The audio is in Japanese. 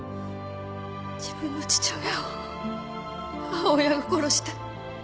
自分の父親を母親が殺した